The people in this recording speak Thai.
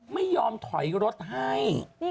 ไม่ยอมถอยรถให้